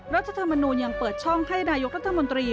รัฐธรรมนูญยังเปิดช่องให้นายกรัฐมนตรี